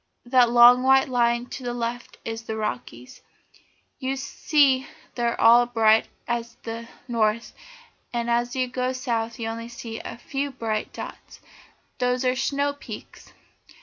That long white line to the left is the Rockies. You see they're all bright at the north, and as you go south you only see a few bright dots. Those are the snow peaks.